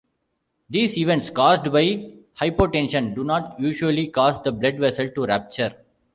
These events caused by hypotension do not usually cause the blood vessel to rupture.